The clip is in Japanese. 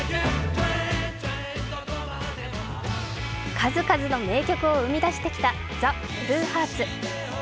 数々の名曲を生み出してきたＴＨＥＢＬＵＥＨＥＡＲＴＳ。